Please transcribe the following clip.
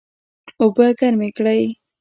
اوبه ګرمې کړئ